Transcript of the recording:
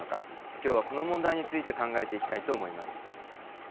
今日はこの問題について考えていきたいと思います。